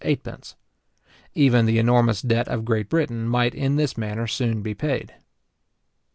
Even the enormous debt of Great Britain might in this manner soon be paid.